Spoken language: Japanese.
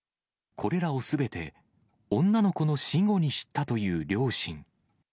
これらをすべて、女の子の死後に知ったという両親。